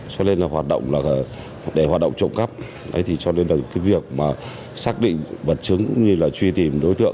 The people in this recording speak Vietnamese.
cho nên là hoạt động trộm cắp cho nên là việc xác định vật chứng như là truy tìm đối tượng